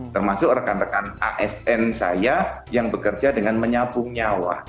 termasuk rekan rekan asn saya yang bekerja dengan menyapung nyawa